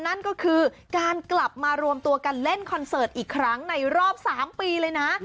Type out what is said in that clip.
นั่นก็คือการกลับมารวมตัวกันเล่นคอนเสิร์ตอีกครั้งในรอบ๓ปีเลยนะ